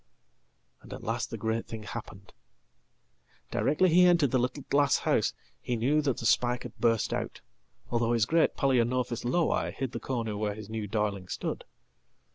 And at last the great thing happened. Directly he entered the little glasshouse he knew that the spike had burst out, although his great_Paloeonophis Lowii_ hid the corner where his new darling stood.